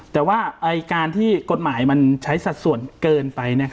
แต่ว่าการที่กฎหมายมันใช้สัดส่วนเกินไป